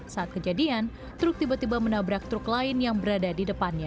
saat kejadian truk tiba tiba menabrak truk lain yang berada di depannya